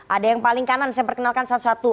ada yang paling kanan saya perkenalkan satu satu